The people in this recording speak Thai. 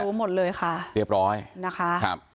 หมดเลยค่ะเรียบร้อยนะคะครับ